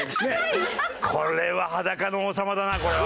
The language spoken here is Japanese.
これは裸の王様だなこれは。